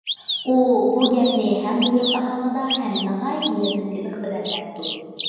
ئۇ بۇ گەپنى ھەم بۇيرۇق ئاھاڭىدا ھەم ناھايىتى يېقىنچىلىق بىلەن دەپتۇ.